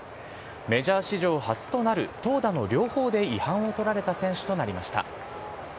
メジャー史上初となる投打の両方で違反を取られた選手となりました。